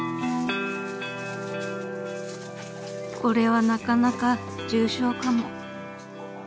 ［これはなかなか重症かも］